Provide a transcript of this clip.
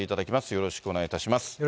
よろしくお願いします。